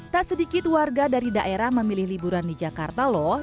tak sedikit warga dari daerah memilih liburan di jakarta loh